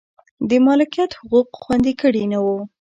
د مالکیت حقوق خوندي کړي نه و.